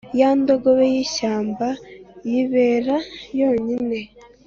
ya ndogobe y’ishyamba yibera yonyine,